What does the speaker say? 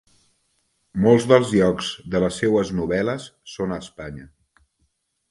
Molts dels llocs de les seues novel·les són a Espanya.